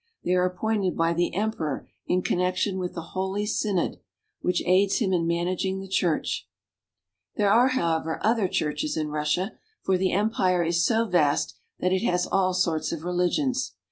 They are appointed by the emperor in connection with the Holy Synod, which aids him in managing the Church. There are, however, other churches in Rus sia, for the empire is so vast that it has all sorts of religions.